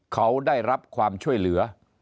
เขาได้รับความช่วยเหลือ